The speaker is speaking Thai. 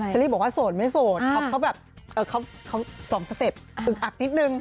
เชอรี่บอกว่าโสดไม่โสดเขาสองสเต็ปตึกตักนิดนึง